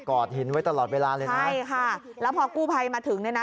อดหินไว้ตลอดเวลาเลยนะใช่ค่ะแล้วพอกู้ภัยมาถึงเนี่ยนะ